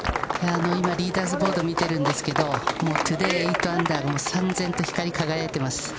今、リーダーズボードを見ているんですけど、もうトゥデー８アンダー、さん然と光り輝いています。